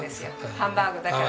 ハンバーグだから。